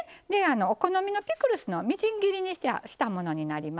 お好みのピクルスみじん切りにしたものです。